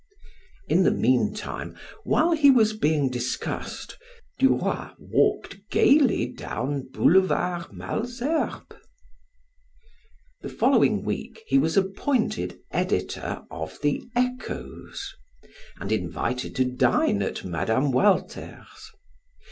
In the meantime, while he was being discussed, Duroy walked gaily down Boulevard Malesherbes. The following week he was appointed editor of the "Echoes," and invited to dine at Mme. Walter's.